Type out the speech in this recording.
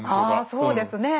そうですねえ。